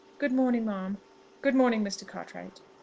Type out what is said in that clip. Good morning, ma'am, Good morning, Mr. Cartwright."